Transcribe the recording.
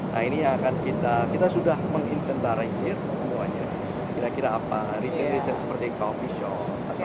nah ini yang akan kita kita sudah menginventarize semuanya kira kira apa retail retail seperti coffee shop atau